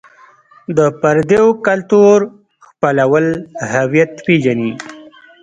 د پردیو کلتور خپلول هویت وژني.